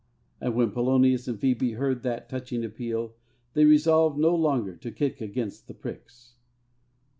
And when Polonius and Phebe heard that touching appeal they resolved no longer to kick against the pricks.